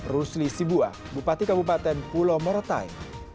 rusli sibua bupati kabupaten pulau moretai